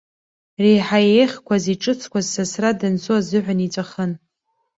Реиҳа еиӷьқәаз, иҿыцқәаз, сасра данцо азыҳәан иҵәахын.